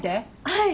はい。